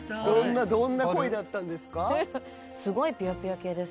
どんな恋だったんですか？